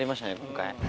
今回。